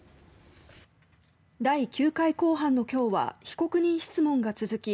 第９回公判の今日は被告人質問が続き